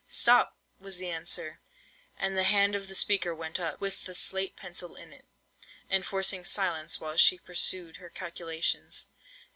"Stop!" was the answer; and the hand of the speaker went up, with the slate pencil in it, enforcing silence while she pursued her calculations.